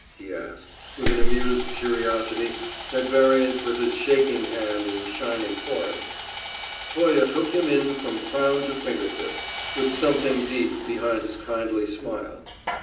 he asked, with an amused curiosity at variance with his shaking hand and shining forehead. Toye took him in from crown to fingertips, with something deep behind his kindly smile.